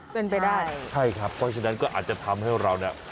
เป็นไปได้ใช่ครับเพราะฉะนั้นก็อาจจะทำให้เราเนี่ย